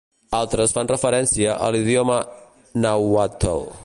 Altres fan referència a l'idioma nàhuatl.